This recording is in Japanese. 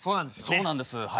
そうなんですはい。